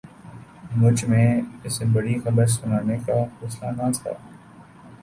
مجھ میں اسے بری خبر سنانے کا حوصلہ نہ تھا